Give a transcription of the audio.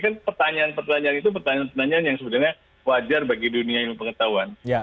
kan pertanyaan pertanyaan itu pertanyaan pertanyaan yang sebenarnya wajar bagi dunia ilmu pengetahuan